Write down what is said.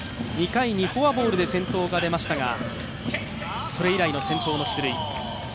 ２回にフォアボールで先頭が出ましたがそれ以来の先頭の出塁。